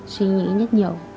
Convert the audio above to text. suy nghĩ rất nhiều